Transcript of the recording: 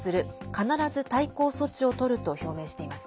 必ず対抗措置をとると表明しています。